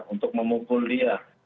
untuk memukul dia